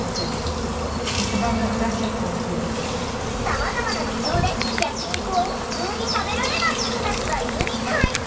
さまざまな事情で焼き肉を「ふつう」に食べられない人たちがいるみたい。